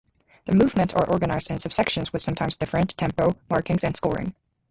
The movements are organized in subsections with sometimes different tempo markings and scoring.